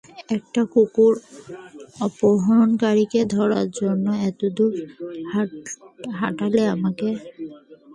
একটা কুকুর অপহরণকারীকে ধরার জন্য এতদূর হাঁটালে আমাকে?